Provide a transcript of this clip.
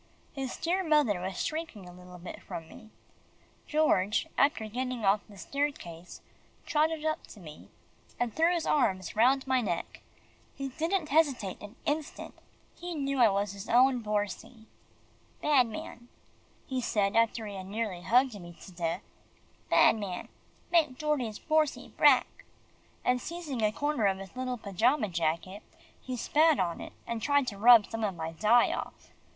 His dear mother was shrinking a little bit from me. George, after getting off the staircase, trotted up to me, and threw his arms round my neck. He didn't hesitate an instant. He knew I was his own Borsie. "Bad man," he said after he had nearly hugged me to death, "bad man make Dordie's Borsie brack!" and seizing a corner of his little pajama jacket, he spat on it, and tried to rub some of my dye off.